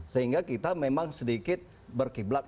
sehingga kita memang sedikit berkiblat